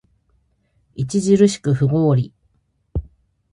著しく不合理